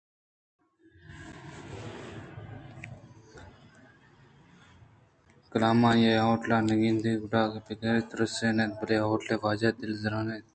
کلام آئی ءَ اے ہوٹل ءَ بہ گندیت گُڑا اگاں پہ آئیءَ ترسے نہ اَت بلئے ہوٹل ءِ واجہے دل لرزان اَت